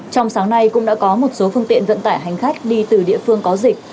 trong sáng nay cũng đã có một số phương tiện vận tải hành khách đi từ địa phương có dịch